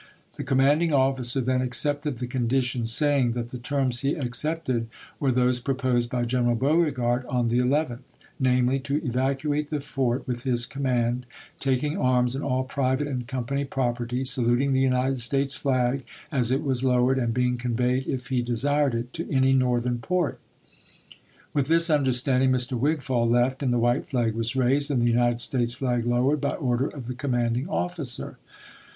The commanding officer then accepted the conditions, saying that the terms he accepted were those proposed by General Beauregard on the 11th, namely: to evacuate the fort with his command, taking arms and all private and company property, saluting the United States flag as it was lowered, and being conveyed, if he desired it, to any Foster, Re Northern port. With this understanding Mr. Wigfall left, 13, 1861. and the white flag was raised and the United States flag AV li Vol I., p. 23. ' lowered by order of the commanding officer.